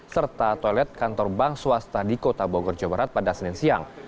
serta toilet kantor bank swasta di kota bogor jawa barat pada senin siang